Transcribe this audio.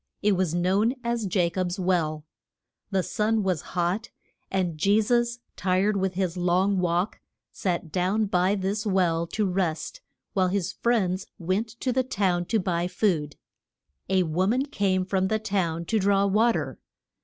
It was known as Ja cob's Well. The sun was hot, and Je sus, tired with his long walk, sat down by this well to rest, while his friends went to the town to buy food. A wo man came from the town to draw wa ter.